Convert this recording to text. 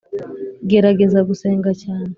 gerageza gusenga cyane